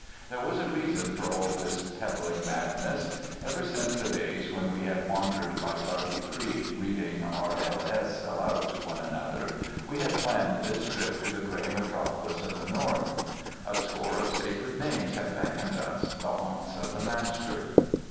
There was a reason for all this pedalling madness. Ever since the days when we had wandered by Darby Creek, reading R.L.S. aloud to one another, we had planned this trip to the gray metropolis of the north. A score of sacred names had beckoned us, the haunts of the master.